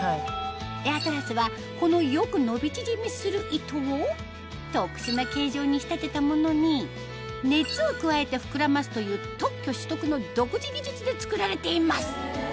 エアトラスはこのよく伸び縮みする糸を特殊な形状に仕立てたものに熱を加えて膨らますという特許取得の独自技術で作られています